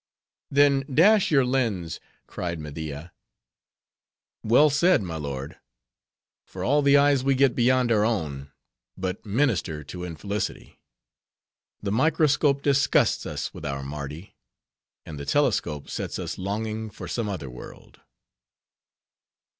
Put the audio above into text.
"Then dash your lens!" cried Media. "Well said, my lord. For all the eyes we get beyond our own, but minister to infelicity. The microscope disgusts us with our Mardi; and the telescope sets us longing for some other world."